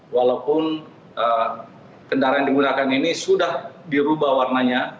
walaupun kendaraan yang digunakan ini sudah dirubah warnanya